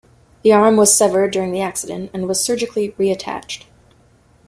The arm was severed during the accident and was surgically reattached.